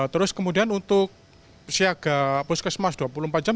terus kemudian untuk siaga puskesmas dua puluh empat jam